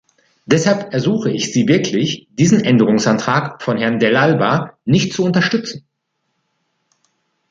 Deshalb ersuche ich Sie wirklich, diesen Änderungsantrag von Herrn Dell'Alba nicht zu unterstützen.